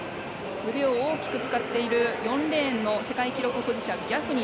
腕を大きく使っている４レーンの世界記録保持者ギャフニー。